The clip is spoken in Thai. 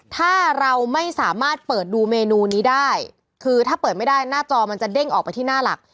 ถ้าเราไม่สามารถเปิดดูเมนูนี้ได้คือถ้าเปิดไม่ได้หน้าจอมันจะเด้งออกไปที่หน้าหลัก